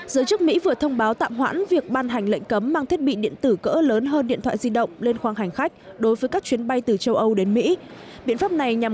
giới chức mỹ vừa thông báo tạm hoãn việc ban hành lệnh cấm mang thiết bị điện tử cỡ lớn hơn điện thoại di động lên khoang hành khách đối với các chuyến bay từ châu âu đến mỹ